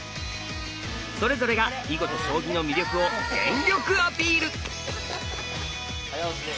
それぞれが囲碁と将棋の魅力を全力アピール！